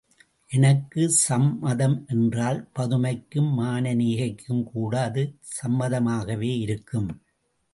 எனக்குச் சம்மதம் என்றால் பதுமைக்கும் மானனீகைக்கும்கூட அது சம்மதமாகவே இருக்கும்.